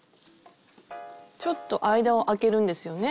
ちょっと間をあけるんですよね？